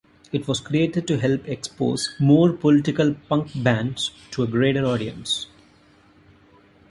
It was created to help expose more political punk bands to a greater audience.